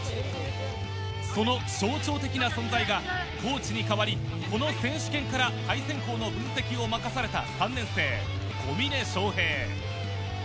その象徴的な存在がコーチに代わり、この選手権から分析を任された３年生・小峰祥平。